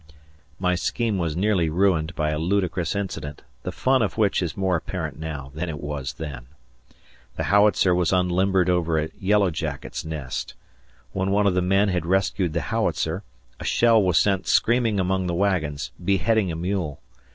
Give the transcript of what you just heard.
My scheme was nearly ruined by a ludicrous incident, the fun of which is more apparent now than it was then. The howitzer was unlimbered over a yellow jacket's nest. When one of the men had rescued the howitzer, a shell was sent screaming among the wagons, beheading a mule.